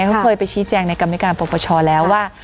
เขาเคยไปชี้แจงในกรรมการปรปชแล้วว่า